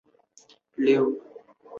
圣索尔夫。